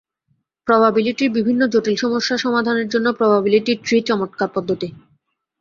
প্রবাবিলিটির বিভিন্ন জটিল সমস্যা সমাধানের জন্য প্রবাবিলিটি ট্রি চমৎকার পদ্ধতি।